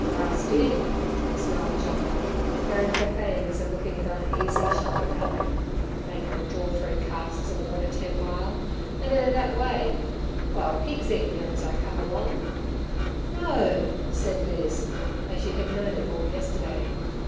"Arst 'im," snarled Jyne, baring her fangs and looking at uneasy shuffling Alick. "Makin' 'er dror three casts er worter ten mile, an' 'er thet way. Wil' pigs eatin' 'er as I cum along." "No!" said Liz, though she had known it all yesterday.